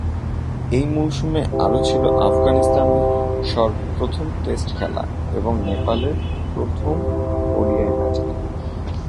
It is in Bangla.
এ মৌসুমে আরো ছিল আফগানিস্তানের সর্বপ্রথম টেস্ট খেলা এবং নেপালের প্রথম ওডিআই ম্যাচ খেলা।